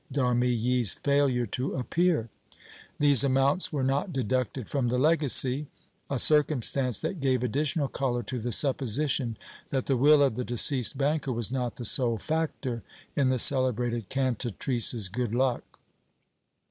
d'Armilly's failure to appear; these amounts were not deducted from the legacy, a circumstance that gave additional color to the supposition that the will of the deceased banker was not the sole factor in the celebrated cantatrice's good luck.